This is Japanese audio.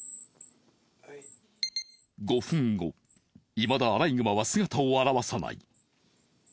いまだアライグマは姿を現さない。